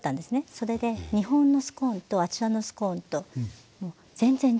それで日本のスコーンとあちらのスコーンと全然食感も違いますし。